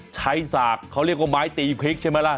ฉากเขาเรียกว่าไม้ตีพริกใช่ไหมล่ะ